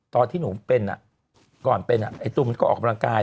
ตอนที่หนูเป็นก่อนเป็นไอ้ตุมมันก็ออกกำลังกาย